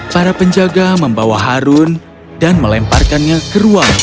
para penjaga membawa harun dan melemparkanmu ke ruang gelap